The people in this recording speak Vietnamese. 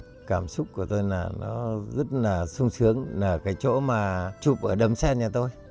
rồi là nó rất là sung sướng là cái chỗ mà chụp ở đầm sen nhà tôi